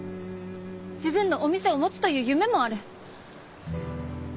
自分のお店を持つという夢もある。